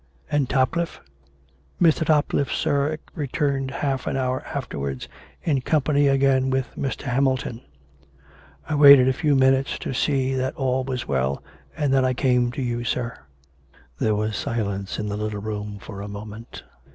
" And Topcliffe "" Mr. Topcliffe, sir, returned half an hour afterwards in company again with Mr. Hamilton. I waited a few minutes to see that all was well, and then I came to you, sir." There was silence in the little room for a moment.